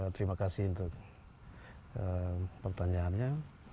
terima kasih untuk pertanyaannya